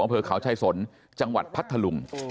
องค์เฟือขาวชายสนจังหวัดพัทธาลุง